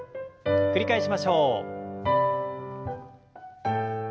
繰り返しましょう。